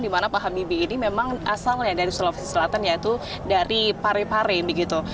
dimana pak habibie ini memang asalnya dari sulawesi selatan yaitu dari parepare begitu